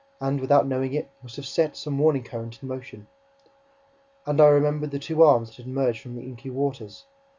and, without knowing it, must have set some warning current in motion. And I remembered the two arms that had emerged from the inky waters...